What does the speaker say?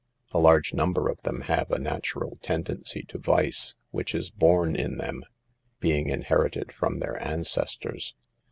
A large number of them have a natural tendency to vice, which is born in them, being inherited from their ancestors.